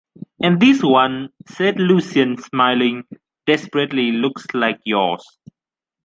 And this one, said Lucien smiling, desperately looks like yours.